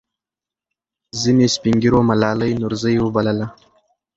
ځینې سپین ږیرو ملالۍ نورزۍ وبلله.